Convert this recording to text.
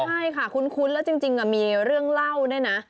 ใช่ค่ะคุ้นแล้วจริงมีเรื่องเล่าด้วยนะ